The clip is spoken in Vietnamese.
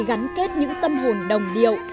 gắn kết những tâm hồn đồng điệu